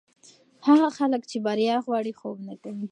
هغه خلک چې بریا غواړي، خوب نه کوي.